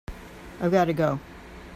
I've got to go.